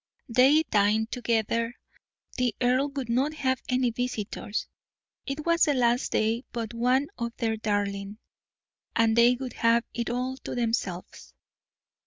They dined together; the earl would not have any visitors; it was the last day but one of their darling, and they would have it all to themselves.